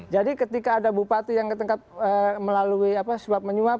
jadi ketika ada bupati yang ketengkap melalui sebab menyuap